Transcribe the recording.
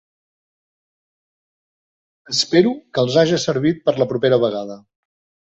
Espero que els haja servit per a la propera vegada.